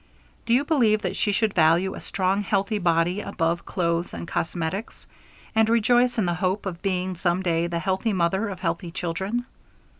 Do you believe that she should value a strong healthy body above clothes and cosmetics, and rejoice in the hope of being some day the healthy mother of healthy children?